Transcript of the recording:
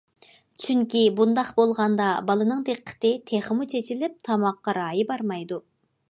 چۈنكى بۇنداق بولغاندا بالىنىڭ دىققىتى تېخىمۇ چېچىلىپ تاماققا رايى بارمايدۇ.